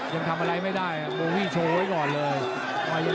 ยังทำอะไรไม่ได้โบวี่โชว์ไว้ก่อนเลย